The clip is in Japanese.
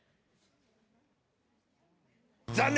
残念！